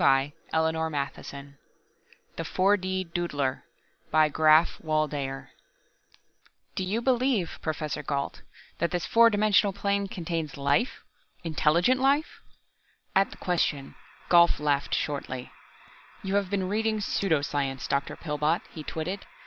The mouth moved rapidly_ ] The 4 D DOODLER by GRAPH WALDEYER "Do you believe, Professor Gault, that this four dimensional plane contains life intelligent life?" At the question, Gault laughed shortly. "You have been reading pseudo science, Dr. Pillbot," he twitted.